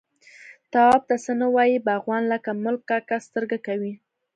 _تواب ته څه نه وايي، باغوان، له ملک کاکا سترګه کوي.